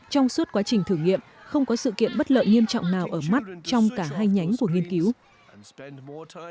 trong suốt quá trình thử nghiệm không có sự kiện bất lợi nghiêm trọng nào ở mắt trong cả hai nhánh của nghiên cứu